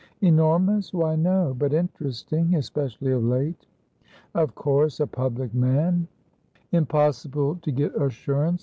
"Enormouswhy no. But interesting, especially of late." "Of coursea public man" Impossible to get assurance.